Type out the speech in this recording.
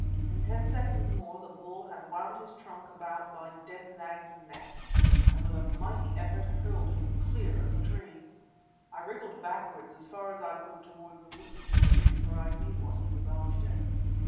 In ten seconds more the bull had wound his trunk about my dead nag's neck, and, with a mighty effort, hurled him clear of the tree. I wriggled backwards as far as I could towards the roots of the tree, for I knew what he was after.